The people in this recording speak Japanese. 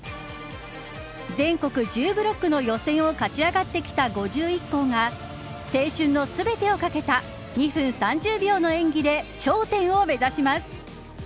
全国１０ブロックの予選を勝ち上がってきた５１校が青春の全てをかけた２分３０秒の演技で頂点を目指します。